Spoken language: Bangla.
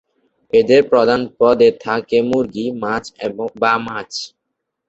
এদের প্রধান পদে থাকে মুরগী, মাছ বা মাছ।